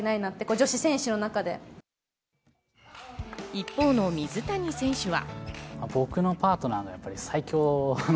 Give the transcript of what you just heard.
一方の水谷選手は。